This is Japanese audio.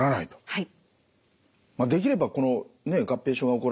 はい。